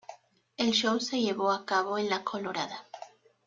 El show se llevó a cabo en ""La Colorada"".